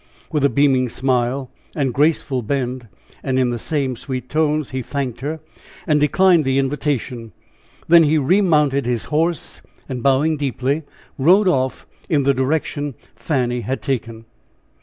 With a beaming smile and graceful bend, and in the same sweet tones, he thanked her, and declined the invitation. Then he remounted his horse, and bowing deeply, rode off in the direction Fanny had taken.